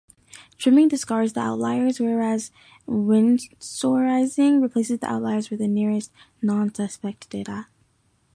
Trimming discards the outliers whereas Winsorising replaces the outliers with the nearest "nonsuspect" data.